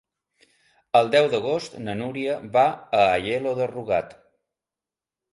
El deu d'agost na Núria va a Aielo de Rugat.